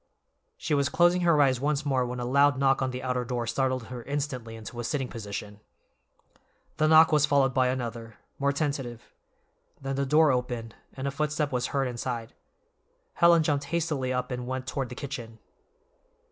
She was closing her eyes once more when a loud knock on the outer door startled her instantly into a sitting position. The knock was followed by another, more tentative; then the door opened, and a footstep was heard inside. Helen jumped hastily up and went toward the kitchen.